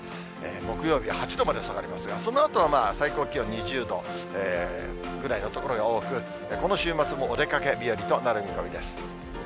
木曜日８度まで下がりますが、そのあとは最高気温２０度ぐらいの所が多く、この週末もお出かけ日和となる見込みです。